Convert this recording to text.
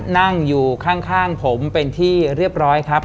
นั่งอยู่ข้างผมเป็นที่เรียบร้อยครับ